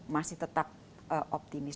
masih tetap optimis